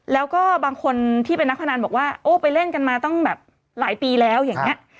แล้วก็บางคนที่เป็นนักพนันบอกว่าโอ้ไปเล่นกันมาตั้งแบบหลายปีแล้วอย่างนี้